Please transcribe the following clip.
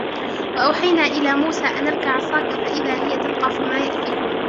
وَأَوْحَيْنَا إِلَى مُوسَى أَنْ أَلْقِ عَصَاكَ فَإِذَا هِيَ تَلْقَفُ مَا يَأْفِكُونَ